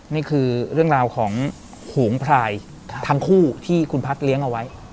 นี่คือเรื่องราวของโหงพรายทั้งคู่ที่คุณพัฒน์เลี้ยงเอาไว้